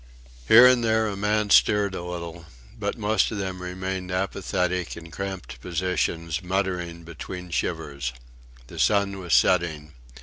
Here and there a man stirred a little, but most of them remained apathetic, in cramped positions, muttering between shivers. The sun was setting.